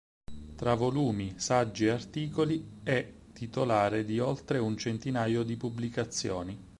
Tra volumi, saggi e articoli, è titolare di oltre un centinaio di pubblicazioni.